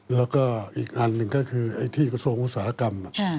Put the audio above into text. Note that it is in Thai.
แล้วก็อีกอันหนึ่งก็คือไอ้ที่กระทรวงอุตสาหกรรม